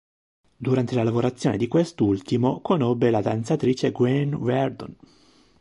Durante la lavorazione di quest'ultimo conobbe la danzatrice Gwen Verdon.